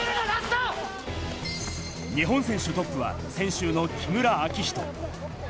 日本選手トップは専修の木村暁仁。